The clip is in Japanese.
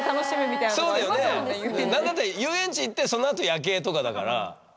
それも何だったら遊園地行ってそのあと夜景とかだから。